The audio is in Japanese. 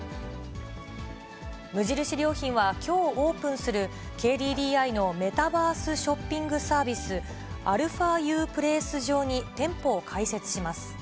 無印良品はきょうオープンするＫＤＤＩのメタバースショッピングサービス、αＵｐｌａｃｅ上に店舗を開設します。